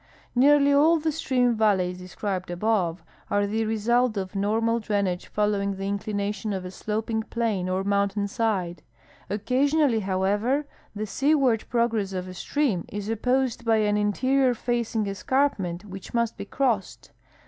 Xearl}^ all the stream A^alleys described above are the result of normal drainage following the inclination of a sloping plain or mountain side. Occasionally, hoAveA'er, the seaward progress of a stream is opposed by an interior facing escarpment Avhich must he crossed.